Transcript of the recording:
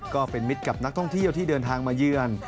ก็เป็นมิตรกับนักท่องเที่ยวที่เดินทางมาเยือน